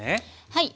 はい。